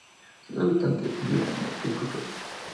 Sus habitantes viven de la agricultura.